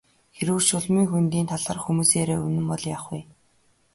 Хэрэв Шулмын хөндийн талаарх хүмүүсийн яриа үнэн бол яах вэ?